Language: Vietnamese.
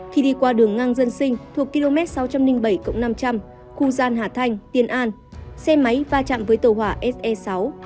khi đi qua đường ngang dân sinh thuộc km sáu trăm linh bảy năm trăm linh khu gian hà thanh tiên an xe máy va chạm với tàu hỏa se sáu